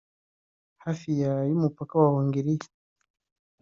hafi ya y’umupaka wa Hongiriya